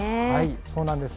そうなんです。